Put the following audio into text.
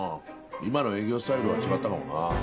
今の営業スタイルとは違ったかもなあ。